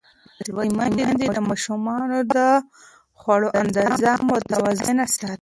لوستې میندې د ماشومانو د خوړو اندازه متوازنه ساتي.